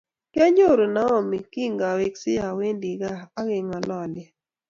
Kyanyoru Naomi kigaweksei awendi gaa agengololye